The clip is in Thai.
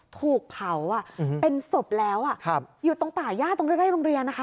ถูกเผาเป็นศพแล้วอยู่ตรงป่าย่าตรงใกล้โรงเรียนนะคะ